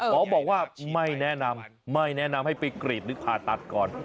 บอกว่าไม่แนะนำไม่แนะนำให้ไปกรีดหรือผ่าตัดก่อน